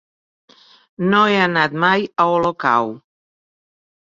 No he anat mai a Olocau.